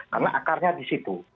karena akarnya di situ